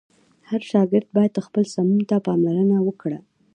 هر شاګرد باید خپل سمون ته پاملرنه وکړه.